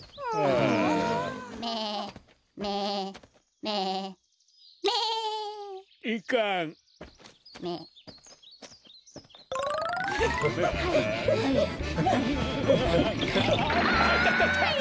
あたたたっ！